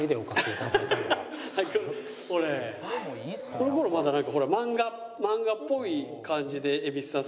この頃まだなんかほら漫画っぽい感じで蛭子さん